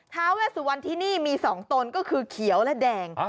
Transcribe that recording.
ท้าเวสุวรรณที่นี่มี๒ตนก็คือเขียวและแดง